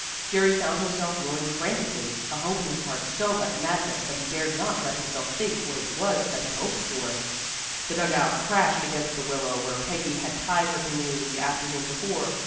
Jerry found himself rowing frantically, a hope in his heart so like madness that he dared not let himself think what it was that he hoped for. The dugout crashed against the willow where Peggy had tied her canoe the afternoon before.